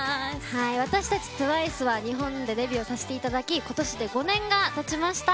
私たちＴＷＩＣＥは日本でデビューをさせていただきことしで５年がたちました。